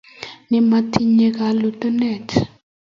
Ne maitinye kalotune